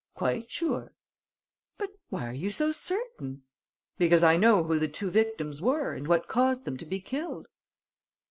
"Quite sure." "But why are you so certain?" "Because I know who the two victims were and what caused them to be killed."